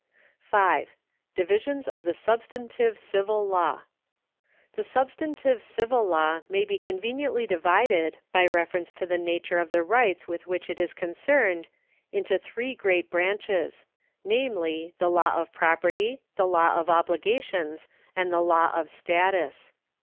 5. Divisions of the Substantive Civil Law. The substantive civil law may be conveniently divided, by reference to the nature of the rights with which it is concerned, into three great branches, namely the law of property, the law of obligations, and the law of status.